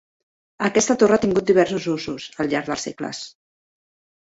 Aquesta torre ha tingut diversos usos, al llarg dels segles.